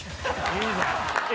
いいじゃん。